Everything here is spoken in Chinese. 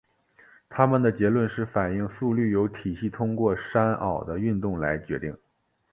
他们的结论是反应速率由体系通过山坳的运动来决定。